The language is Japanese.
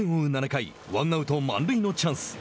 ７回ワンアウト、満塁のチャンス。